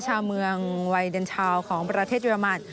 ชาวเมืองวัยเดนชาวของประเทศเยอรมัน